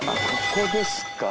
ここですか。